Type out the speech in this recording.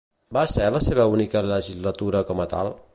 Va ser la seva única legislatura com a tal?